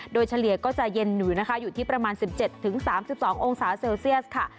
โดยเฉลี่ยก็จะเย็นอยู่นะคะอยู่ที่ประมาณสิบเจ็ดถึงสามสิบสององศาเซลเซียสค่ะ